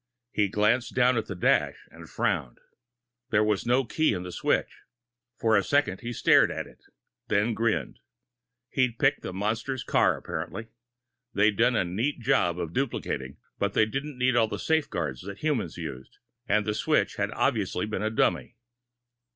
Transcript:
He glanced down at the dash, and frowned. There was no key in the switch. For a second, he stared at it, and then grinned. He'd picked a monster's car, apparently they'd done a neat job of duplicating, but they didn't need all the safeguards that humans used, and the switch had obviously been a dummy.